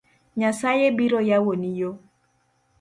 Nyasaye biro yawoni yo